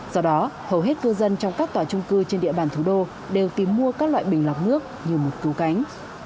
do đó hầu hết cư dân trong các tòa trung cư trên địa bàn thủ đô đều tìm mua các loại bình lọc nước như một cứu cánh